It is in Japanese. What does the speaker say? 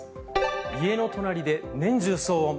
家の隣で年中騒音。